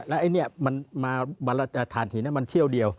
และอันนี้มาวันละทานถึงน้ำมันเที่ยวเดียว